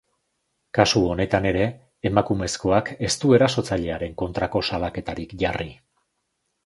Kasu honetan ere, emakumezkoak ez du erasotzailearen kontrako salaketarik jarri.